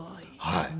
はい。